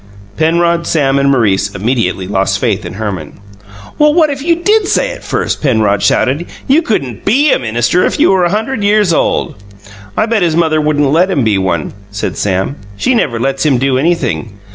Penrod, Sam, and Maurice immediately lost faith in Herman. "What if you did say it first?" Penrod shouted. "You couldn't BE a minister if you were a hunderd years old!" "I bet his mother wouldn't let him be one," said Sam. "She never lets him do anything."